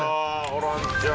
ホランちゃん。